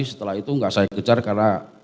setelah itu nggak saya kejar karena